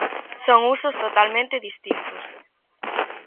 Son usos totalmente distintos.